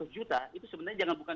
seratus juta itu sebenarnya jangan bukan